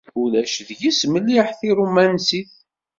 Ulac deg-s mliḥ tirumansit.